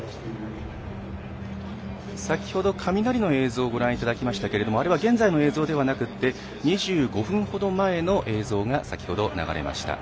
先ほど、雷の映像をご覧いただきましたがあれは現在の映像ではなくて２５分ほど前の映像が先ほど流れました。